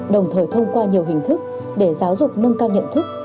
đồng thời thông qua nhiều hình thức để giáo dục nâng cao nhận thức